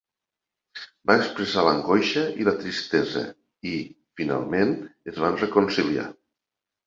Va expressar l'angoixa i la tristesa, i finalment es van reconciliar.